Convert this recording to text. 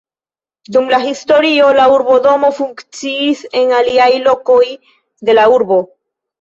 Dum la historio la urbodomo funkciis en aliaj lokoj de la urbo.